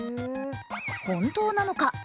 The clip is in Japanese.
本当なのか？